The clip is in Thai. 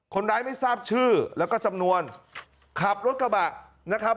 ไม่ทราบชื่อแล้วก็จำนวนขับรถกระบะนะครับ